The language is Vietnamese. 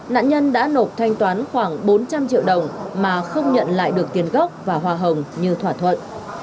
nạn nhân đã nộp thanh toán khoảng bốn trăm linh triệu đồng mà không nhận lại được tiền gốc và hòa hồng như thỏa thuận